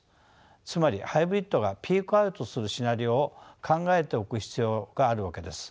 つまりハイブリッドがピークアウトするシナリオを考えておく必要があるわけです。